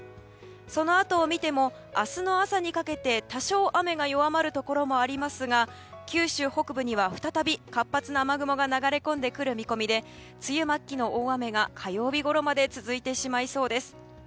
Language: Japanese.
そのあとを見ても明日の朝にかけて多少雨が弱まるところもありますが九州北部には再び活発な雨雲が流れ込んでくる見込みで梅雨末期の大雨が火曜日ごろまで続いてしまいそうです。